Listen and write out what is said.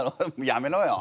やめろよ。